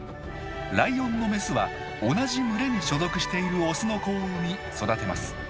ライオンのメスは同じ群れに所属しているオスの子を産み育てます。